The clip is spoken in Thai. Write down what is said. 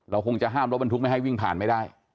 คงจะห้ามรถบรรทุกไม่ให้วิ่งผ่านไม่ได้